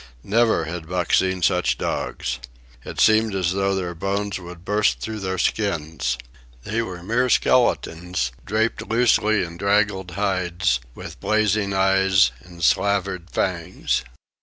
Never had Buck seen such dogs. It seemed as though their bones would burst through their skins. They were mere skeletons, draped loosely in draggled hides, with blazing eyes and slavered fangs.